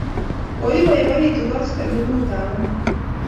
Koipoipoitu koskoling'ut ap amut